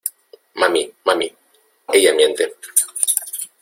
¡ Mami! ¡ mami !¡ ella miente !